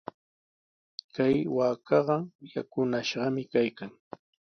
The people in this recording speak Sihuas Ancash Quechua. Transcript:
Kay waakaqa yakunashqami kaykan.